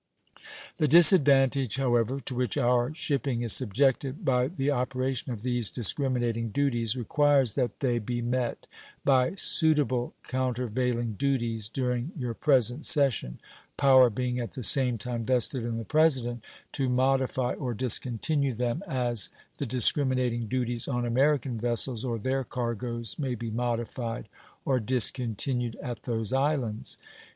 The disadvantage, however, to which our shipping is subjected by the operation of these discriminating duties requires that they be met by suitable countervailing duties during your present session, power being at the same time vested in the President to modify or discontinue them as the discriminating duties on American vessels or their cargoes may be modified or discontinued at those islands.